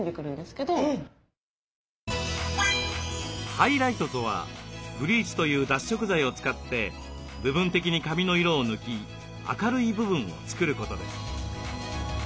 「ハイライト」とはブリーチという脱色剤を使って部分的に髪の色を抜き明るい部分を作ることです。